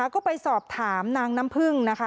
ก็ไปสอบถามนางน้ำพึ่งนะคะ